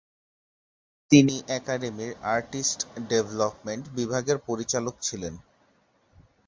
তিনি একাডেমির "artist development" বিভাগের পরিচালক ছিলেন।